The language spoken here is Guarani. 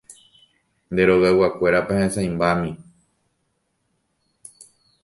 Nde rogayguakuérapa hesãimbami.